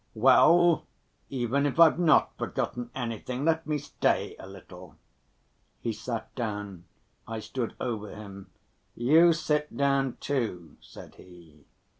Well, even if I've not forgotten anything, let me stay a little." He sat down. I stood over him. "You sit down, too," said he.